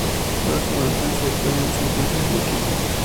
Juega como Defensa y actualmente se encuentra sin equipo.